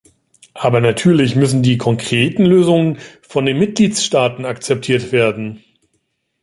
Aber natürlich müssen die konkreten Lösungen von den Mitgliedstaaten akzeptiert werden.